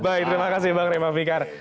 baik terima kasih bang rey pak fikar